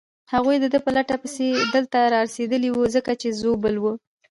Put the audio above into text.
هغوی د ده په لټه پسې دلته رارسېدلي وو، ځکه چې ژوبل وو.